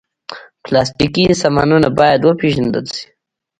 پلاستيکي سامانونه باید وپېژندل شي.